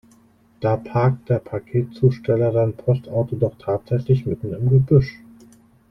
Da parkt der Paketzusteller sein Postauto doch tatsächlich mitten im Gebüsch!